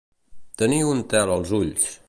Tenir un tel als ulls.